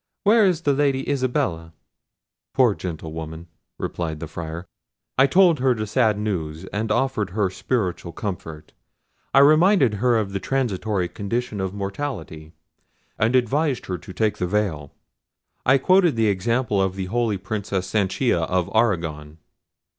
Where is the Lady Isabella?" "Poor Gentlewoman!" replied the Friar; "I told her the sad news, and offered her spiritual comfort. I reminded her of the transitory condition of mortality, and advised her to take the veil: I quoted the example of the holy Princess Sanchia of Arragon."